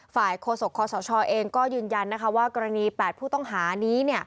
โฆษกคศเองก็ยืนยันว่ากรณี๘ผู้ต้องหานี้